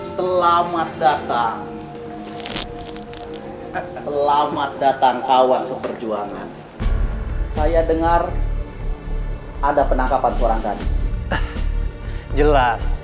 selamat datang selamat datang kawan seperjuangan saya dengar ada penangkapan seorang gadis jelas